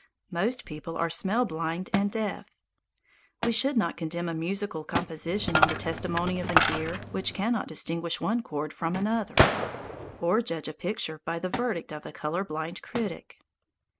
Most people are smell blind and deaf. We should not condemn a musical composition on the testimony of an ear which cannot distinguish one chord from another, or judge a picture by the verdict of a colour blind critic.